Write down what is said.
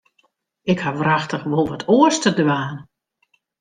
Ik haw wrachtich wol wat oars te dwaan.